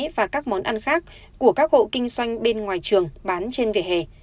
và các món ăn khác của các hộ kinh doanh bên ngoài trường bán trên vỉa hè